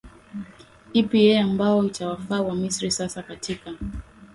ipi eeh ambao itawafaa wamisri sasa katika